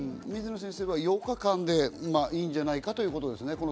水野先生は８日間でいいんじゃないかということですね。